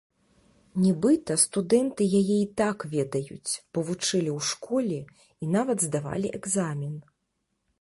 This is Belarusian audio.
Нібыта, студэнты яе і так ведаюць, бо вучылі ў школе, і нават здавалі экзамен.